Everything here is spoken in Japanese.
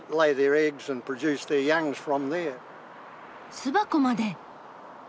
巣箱まで！